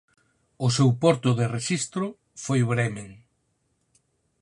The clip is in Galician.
O seu porto de rexistro foi Bremen.